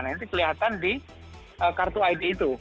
nah ini kelihatan di kartu id itu